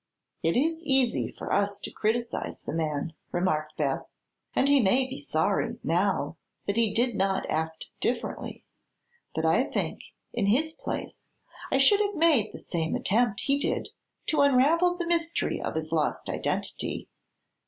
"It is easy for us to criticise the man," remarked Beth, "and he may be sorry, now, that he did not act differently. But I think, in his place, I should have made the same attempt he did to unravel the mystery of his lost identity.